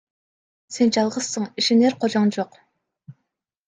Сен жалгызсың, ишенер кожоң жок.